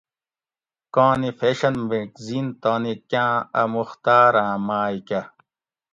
کاں نی فیشن میگزین تانی کاۤں اۤ مختاراں مائ کہ